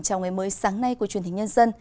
chào ngày mới sáng nay của truyền thình nhân dân